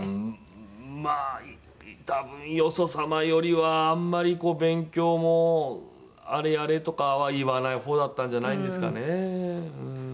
まあ多分よそ様よりはあんまりこう勉強もあれやれとかは言わない方だったんじゃないんですかね？